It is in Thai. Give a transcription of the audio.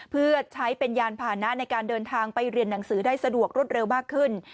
เพื่อใช้เป็นยานผ่านะในการเดินทางไปเรียนหนังสือได้สะดวกรวดเร็วมากขึ้น